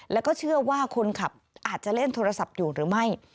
แล้วก็เชื่อว่าคนขับอาจจะเล่นโทรศัพท์อยู่หรือไม่